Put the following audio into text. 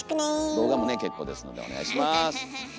動画もね結構ですのでお願いします。